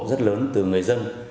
rất lớn từ người dân